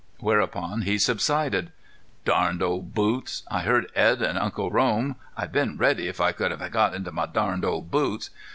Whereupon he subsided: "Darned old boots! I heard Edd and Uncle Rome. I'd been ready if I could have got into my darned old boots....